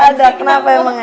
gak ada kenapa emangnya